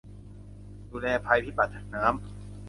ดูแลภัยพิบัติจากน้ำ